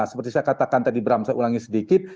seperti saya katakan tadi bram saya ulangi sedikit